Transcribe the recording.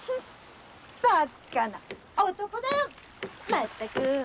まったく！